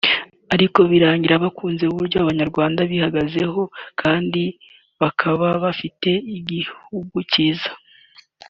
ariko birangira bakunze uburyo Abanyarwanda bihagazeho kandi bakaba bafite igihugu cyiza